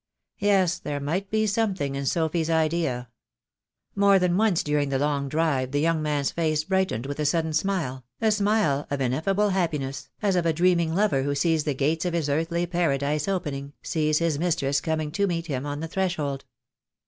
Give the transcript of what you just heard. Yes, there might be something in Sophy's idea. More than once during that long drive the young man's face brightened with a sudden smile, a smile of ineffable hap piness, as of a dreaming lover who sees the gates of his earthly paradise opening, sees his mistress coming to meet him on the threshold.